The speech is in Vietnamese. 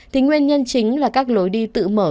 thì nguyên nhân chính là các lối đi tự mở